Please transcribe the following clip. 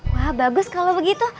wah bagus kalau begitu